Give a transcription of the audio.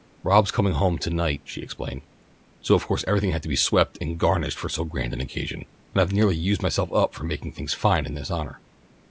"Rob's coming home to night," she explained, "so of course everything had to be swept and garnished for so grand an occasion, and I've nearly used myself up making things fine in his honour."